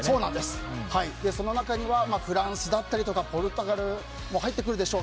その中にはフランスだったりポルトガルも入ってくるでしょう。